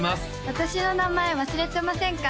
私の名前忘れてませんか？